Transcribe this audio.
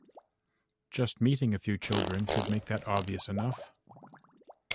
Just meeting a few children should make that obvious enough.